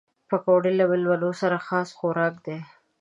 پکورې له مېلمنو سره خاص خوراک دي